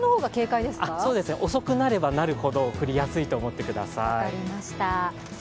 遅くなればなるほど降りやすいと思ってください。